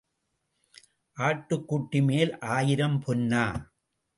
ஆட்டுக்குட்டிமேல் ஆயிரம் பொன்னா?